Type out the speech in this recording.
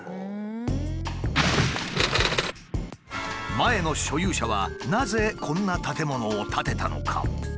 前の所有者はなぜこんな建物を建てたのか？